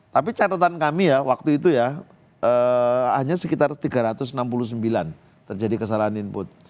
tapi catatan kami ya waktu itu ya hanya sekitar tiga ratus enam puluh sembilan terjadi kesalahan input